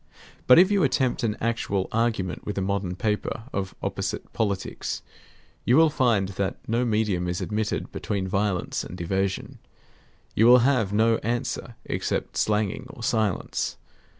But if you attempt an actual argument with a modern paper of opposite politics, you will find that no medium is admitted between violence and evasion. You will have no answer except slanging or silence.